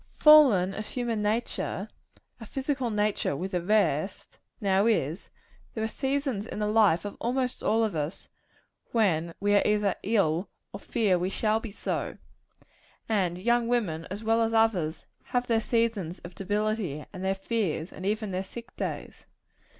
Fallen as human nature our physical nature with the rest now is, there are seasons in the lives of almost all of us, when we are either ill, or fear we shall be so. And young women, as well as others, have their seasons of debility, and their fears, and even their sick days.